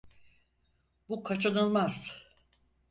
Bu kaçınılmaz.